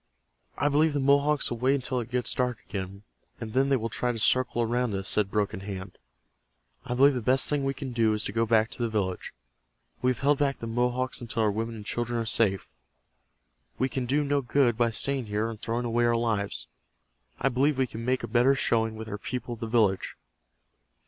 "I believe the Mohawks will wait until it gets dark again, and then they will try to circle around us," said Broken Hand. "I believe the best thing we can do is to go back to the village. We have held back the Mohawks until our women and children are safe. We can do no good by staying here and throwing away our lives. I believe we can make a better showing with our people at the village."